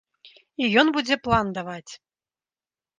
І ён будзе план даваць.